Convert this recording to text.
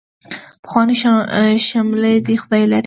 پخوانۍ شملې دې خدای لري.